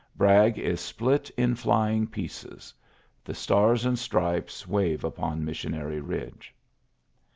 Bragg is split in flying ; The stars and stripes wave upoi sionary Eidge.